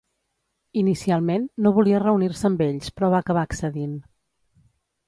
Inicialment, no volia reunir-se amb ells però va acabar accedint.